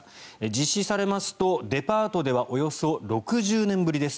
実施されますとデパートではおよそ６０年ぶりです。